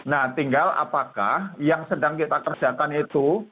nah tinggal apakah yang sedang kita kerjakan itu